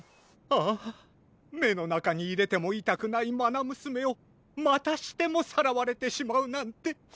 ああめのなかにいれてもいたくないまなむすめをまたしてもさらわれてしまうなんて。